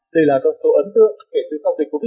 đây là con số ấn tượng kể từ sau dịch covid một mươi chín